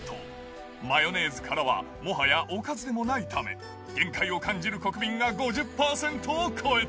マヨネーズからは、もはや、おかずでもないため、限界を感じる国民が５０％を超えた。